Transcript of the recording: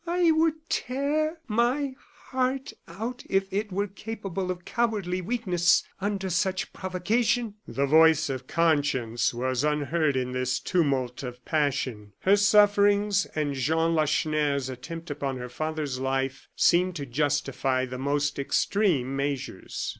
"I would tear my heart out if it were capable of cowardly weakness under such provocation!" The voice of conscience was unheard in this tumult of passion. Her sufferings, and Jean Lacheneur's attempt upon her father's life seemed to justify the most extreme measures.